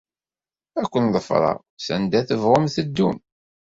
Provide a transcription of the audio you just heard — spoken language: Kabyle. Ad ken-ḍefreɣ, sanda tebɣum teddum.